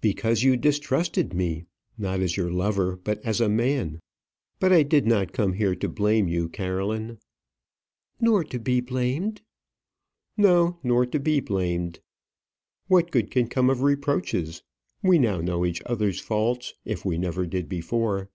"Because you distrusted me; not as your lover, but as a man. But I did not come here to blame you, Caroline." "Nor to be blamed." "No, nor to be blamed. What good can come of reproaches? We now know each other's faults, if we never did before.